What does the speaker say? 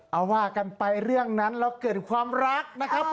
เอาว่ากันไปเรื่องนั้นเราเกิดความรักนะครับ